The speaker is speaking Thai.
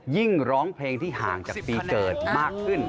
ร้องเพลงที่ห่างจากปีเกิดมากขึ้น